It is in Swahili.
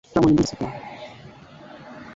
elimu miundo mbinu na ushirikiano wa kimataifa